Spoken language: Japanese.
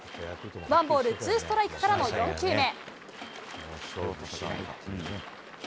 ワンボールツーストライクからの４球目。